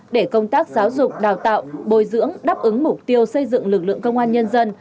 để công tác giáo dục đào tạo bồi dưỡng đáp ứng mục tiêu xây dựng lực lượng công an nhân dân